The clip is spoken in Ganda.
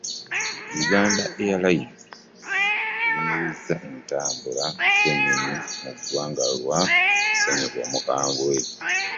Uganda Airlines eyimirizza entambula z'ennyonyi mu ggwanga lwa ssenyiga Omukambwe